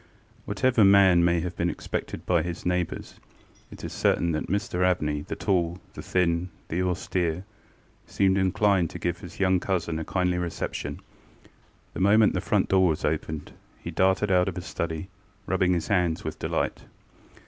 Whatever may have been expected by his neighbours, it is certain that Mr AbneyŌĆöthe tall, the thin, the austereŌĆöseemed inclined to give his young cousin a kindly reception. The moment the front door was opened he darted out of his study, rubbing his hands with delight.